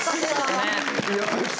よし！